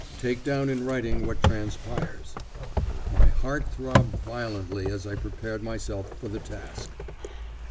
Take down in writing what transpires." My heart throbbed violently as I prepared myself for the task.